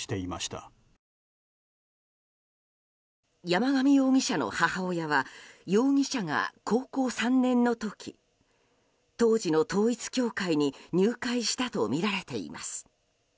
山上容疑者の母親は容疑者が高校３年の時当時の統一教会に入会したとみられています。